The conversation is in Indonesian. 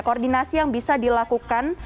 koordinasi yang bisa dilakukan